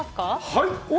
はい。